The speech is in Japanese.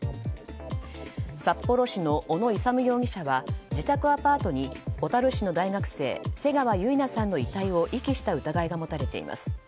札幌市の小野勇容疑者は自宅アパートに小樽市の大学生瀬川結菜さんの遺体を遺棄した疑いが持たれています。